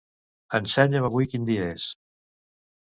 Ensenya'm avui quin dia és.